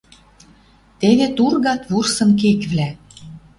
Теве тургат вурсын кеквлӓ —